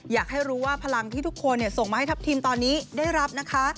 อยากให้รู้ว่าพลังที่ทุกคนส่งมาให้ทัพทีมตอนนี้ได้รับนะคะ